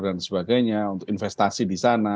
dan sebagainya untuk investasi di sana